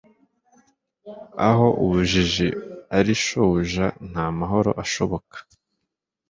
aho ubujiji ari shobuja, nta mahoro ashoboka